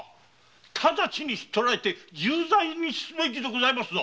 直ちに引っ捕えて重罪にすべきでございますぞ！